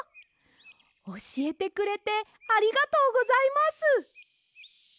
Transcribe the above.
おしえてくれてありがとうございます！